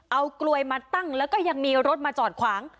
เอากลวยมาตั้งแล้วก็ยังมีรถมาจอดขวาง